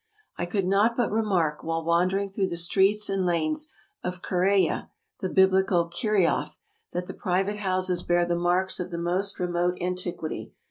I could not but remark, while wandering through the streets and lanes of Kureiyeh — the biblical Kerioth — that the private houses bear the marks of the most remote antiquity.